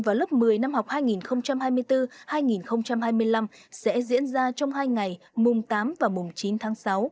kỳ thi tuyển sinh vào lớp một mươi năm học hai nghìn hai mươi bốn hai nghìn hai mươi năm sẽ diễn ra trong hai ngày mùng tám và mùng chín tháng sáu